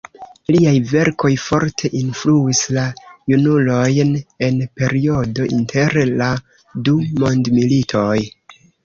Liaj verkoj forte influis la junulojn en periodo inter la du mondmilitoj.